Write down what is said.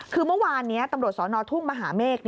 คือเมื่อวานนี้ตำรวจสนทุ่งมหาเมฆ